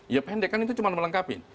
ya pendek kan itu cuma melengkapi